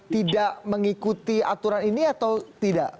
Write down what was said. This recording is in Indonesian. tidak mengikuti aturan ini atau tidak